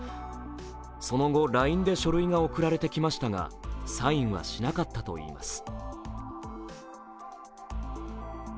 その後、ＬＩＮＥで書類が送られてきましたが、サインはしなかったといいます。